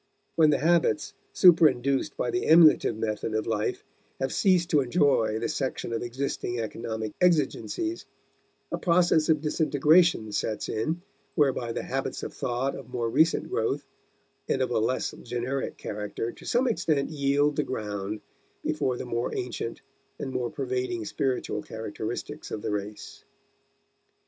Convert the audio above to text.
When the habits superinduced by the emulative method of life have ceased to enjoy the section of existing economic exigencies, a process of disintegration sets in whereby the habits of thought of more recent growth and of a less generic character to some extent yield the ground before the more ancient and more pervading spiritual characteristics of the race.